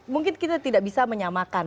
mungkin kita tidak bisa menyamakan